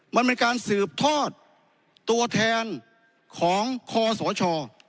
มันเป็นการสืบทอดตัวแทนของคอสช